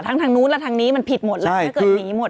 ทั้งทางนู้นและทางนี้มันผิดหมดแล้วถ้าเกิดหนีหมด